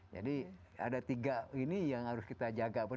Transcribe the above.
jadi ada tiga ini yang harus kita jaga